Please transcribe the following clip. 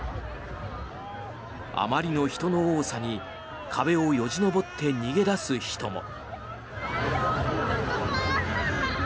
あまりの人の多さに壁をよじ登って逃げ出す人も。